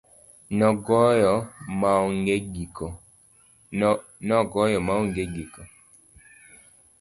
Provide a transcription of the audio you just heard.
Nogoyo maong'e giko.